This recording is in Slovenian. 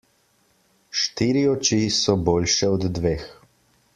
Štiri oči so boljše od dveh.